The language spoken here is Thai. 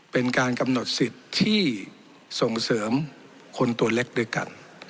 เป็นการกำหนดสิทธิ์ที่ส่งเสริมคนตัวเล็กด้วยกัน